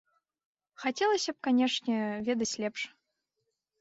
Хацелася б, канечне, ведаць лепш.